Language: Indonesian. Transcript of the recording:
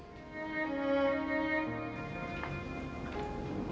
sampai jumpa di video selanjutnya